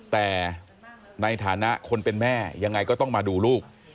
แต่ในฐานะคนเป็นแม่ยังไงก็ต้องมาดูลูก